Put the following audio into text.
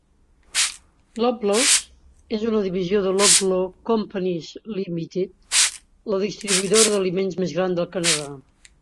Loblaws és una divisió de Loblaw Companies Limited, la distribuïdora d'aliments més gran del Canadà.